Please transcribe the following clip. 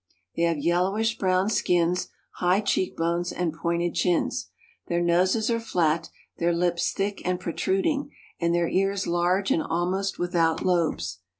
They have yellowish brown skins, high cheekbones, and pointed chins. Their noses are flat, their lips thick and protruding, and their ears large and almost without lobes.